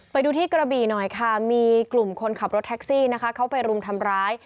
ไปดูที่กระบี่หน่อยค่ะมีกลุ่มคนขับรถแท็กซี่นะคะเข้าไปรุมทำร้าย